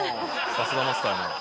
さすがマスターやな。